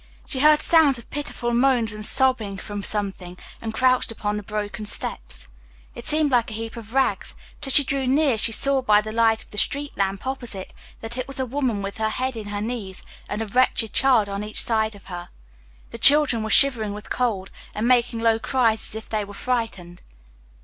She heard sounds of pitiful moans and sobbing from something crouched upon the broken steps. It seemed like a heap of rags, but as she drew near she saw by the light of the street lamp opposite that it was a woman with her head in her knees, and a wretched child on each side of her. The children were shivering with cold and making low cries as if they were frightened.